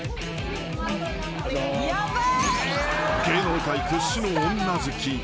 ［芸能界屈指の女好き］